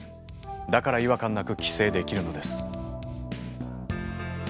だから違和感なく寄生できるのです。